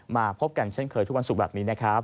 มาพบกันเช่นเคยทุกวันศุกร์แบบนี้นะครับ